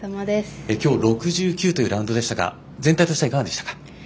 今日６９というラウンドでしたが全体としてはいかがでしたか？